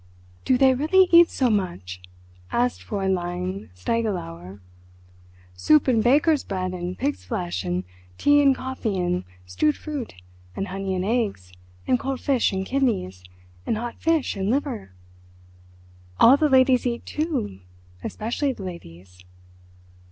"Do they really eat so much?" asked Fräulein Stiegelauer. "Soup and baker's bread and pig's flesh, and tea and coffee and stewed fruit, and honey and eggs, and cold fish and kidneys, and hot fish and liver? All the ladies eat, too, especially the ladies."